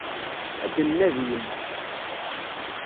Ad d-nnadi yemma-k.